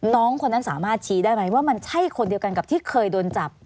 น้องคนนั้นสามารถชี้ได้ไหมว่ามันใช่คนเดียวกันกับที่เคยโดนจับ